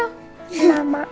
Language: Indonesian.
yuk kita main